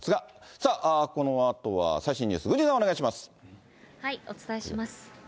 さあ、このあとは最新ニュース、お伝えします。